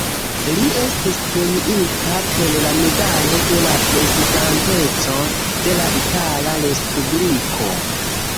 Li estis premiita per la Medalo de la Prezidanteco de la Itala Respubliko.